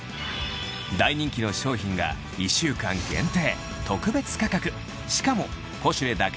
大人気の商品が１週間限定